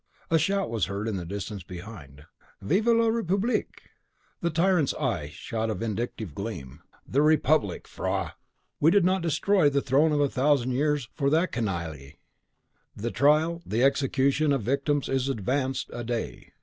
A shout was heard in the distance behind, "Vive la republique!" The tyrant's eye shot a vindictive gleam. "The republic! faugh! We did not destroy the throne of a thousand years for that canaille!" THE TRIAL, THE EXECUTION, OF THE VICTIMS IS ADVANCED A DAY!